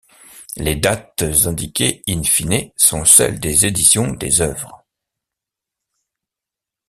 Les dates indiquées in fine sont celles des éditions des œuvres.